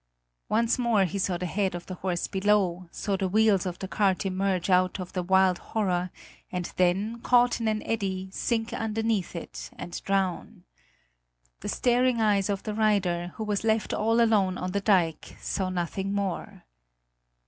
Once more he saw the head of the horse below, saw the wheels of the cart emerge out of the wild horror and then, caught in an eddy, sink underneath it and drown. The staring eyes of the rider, who was left all alone on the dike, saw nothing more.